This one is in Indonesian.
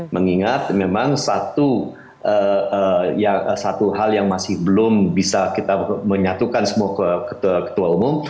mengingat memang satu hal yang masih belum bisa kita menyatukan semua ke ketua umum